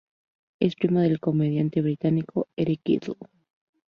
Es primo del comediante británico Eric Idle.